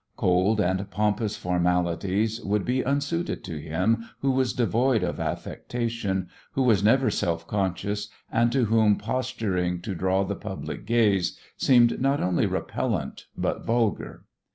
Cold and pompous formalities would be unsuited to him who was devoid of affectation, who was never self conscious, and to whom posturing to draw the public gaze seemed not only repellent but vulgar.